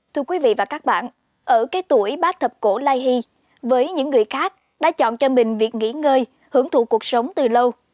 thưa quý vị và các bạn ở cái tuổi bác thập cổ lai hy với những người khác đã chọn cho mình việc nghỉ ngơi hưởng thụ cuộc sống từ lâu